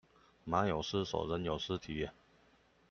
馬有失手，人有失蹄